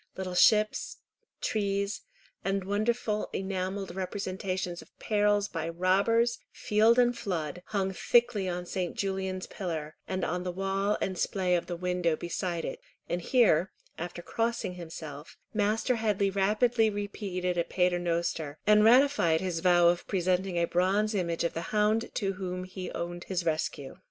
Little ships, trees, and wonderful enamelled representations of perils by robbers, field and flood, hung thickly on St. Julian's pillar, and on the wall and splay of the window beside it; and here, after crossing himself, Master Headley rapidly repeated a Paternoster, and ratified his vow of presenting a bronze image of the hound to whom he owed his rescue.